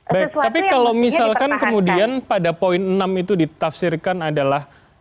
baik tapi kalau misalkan kemudian pada poin enam itu ditafsirkan adalah